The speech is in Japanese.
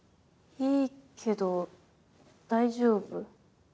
いいけど大丈夫？